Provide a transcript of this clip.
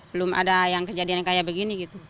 belum ada yang kejadian yang kayak begini gitu